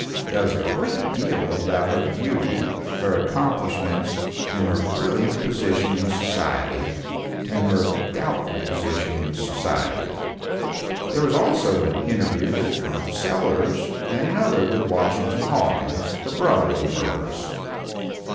There was a great deal about her beauty, her accomplishments and her brilliant position in society, and her doubtful position in society. There was also an interview with Col. Sellers and another with Washington Hawkins, the brother of the murderess.